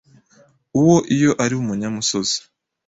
uwo iyo ari umunyamusozi